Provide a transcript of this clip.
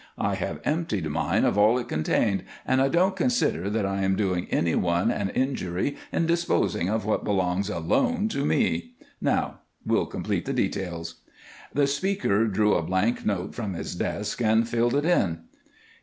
I have emptied mine of all it contained, and I don't consider that I am doing any one an injury in disposing of what belongs alone to me. Now we'll complete the details." The speaker drew a blank note from his desk and filled it in.